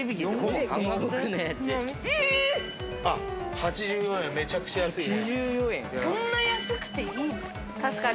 ８４円、めちゃくちゃ安いね。